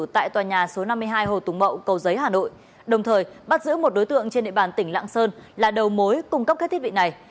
tại tòa nhà số năm mươi hai hồ tùng mậu cầu giấy hà nội đồng thời bắt giữ một đối tượng trên địa bàn tỉnh lạng sơn là đầu mối cung cấp các thiết bị này